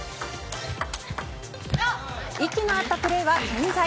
息の合ったプレーは健在。